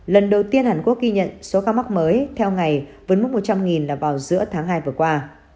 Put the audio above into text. lần đầu tiên hàn quốc ghi nhận số ca mắc mới theo ngày với mức một trăm linh là vào giữa tháng hai vừa qua